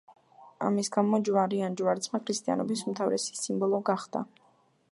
ამის გამო ჯვარი ან ჯვარცმა ქრისტიანობის უმთავრესი სიმბოლო გახდა.